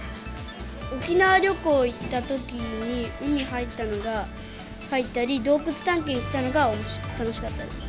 沖縄旅行行ったときに海入ったのが、入ったり、洞窟探検行ったのが楽しかったです。